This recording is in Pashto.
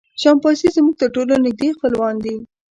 شامپانزي زموږ تر ټولو نږدې خپلوان دي.